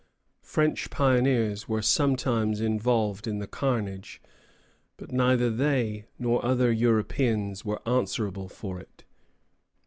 French pioneers were sometimes involved in the carnage, but neither they nor other Europeans were answerable for it.